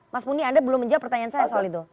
mas muni anda belum menjawab pertanyaan saya soal itu